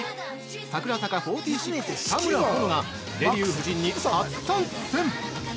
櫻坂４６、田村保乃がデビュー夫人に初参戦！